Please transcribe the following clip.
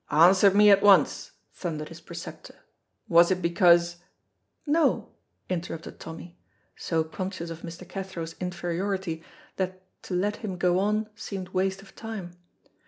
"Answer me at once," thundered his preceptor. "Was it because " "No," interrupted Tommy, so conscious of Mr. Cathro's inferiority that to let him go on seemed waste of time.